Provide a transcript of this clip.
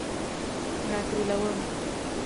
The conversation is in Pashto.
راټولوم